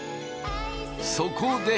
そこで！